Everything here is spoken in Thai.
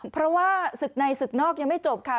เพราะว่าศึกในศึกนอกยังไม่จบค่ะ